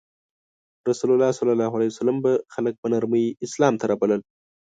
رسول الله به خلک په نرمۍ اسلام ته رابلل.